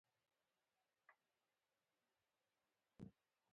ازادي راډیو د ټولنیز بدلون په اړه د امنیتي اندېښنو یادونه کړې.